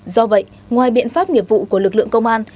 do vậy ngoài biện pháp nghiệp vụ của lực lượng công an